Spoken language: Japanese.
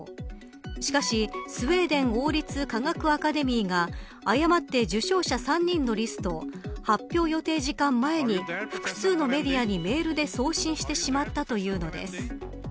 しかし、スウェーデン王立科学アカデミーが誤って受賞者３人のリストを発表予定時間前に複数のメディアにメールで送信してしまったというのです。